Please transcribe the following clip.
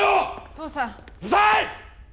父さんうるさい！